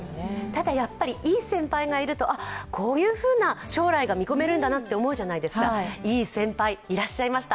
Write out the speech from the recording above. ただやっぱりいい先輩がいると、こういうふうな将来が見込めるんだなと思うじゃないですかいい先輩、いらっしゃいました。